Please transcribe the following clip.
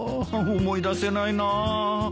思い出せないなあ。